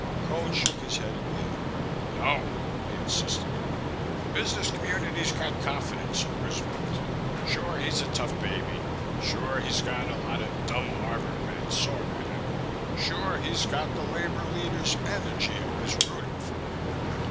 Cone shook his head again. "No," he insisted. "The business community's got confidence in Roosevelt. Sure he's a tough baby, sure he's got a lot of dumb Harvard men sore at him, sure he's got the labor leaders and the G.I.'s rooting for him.